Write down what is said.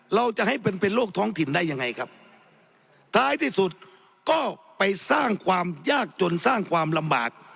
เราจะให้เป็นเป็นโรคท้องถิ่นได้ยังไงครับท้ายที่สุดก็ไปสร้างความยากจนสร้างความลำบาก